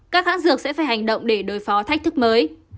các hãng dược sẽ phải hành động để đối phó thách thức mới